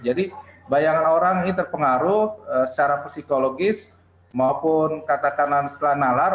jadi bayangan orang ini terpengaruh secara psikologis maupun katakanlah nalar